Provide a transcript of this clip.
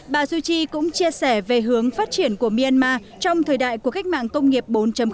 bà suu kyi cũng chia sẻ về hướng phát triển của myanmar trong thời đại của cách mạng công nghiệp bốn